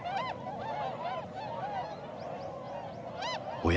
おや？